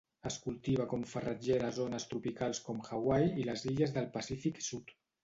Es cultiva com farratgera a zones tropicals com Hawaii i les illes del Pacífic Sud.